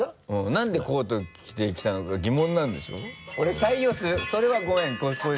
何でコート着てきたのか疑問なんでしょ？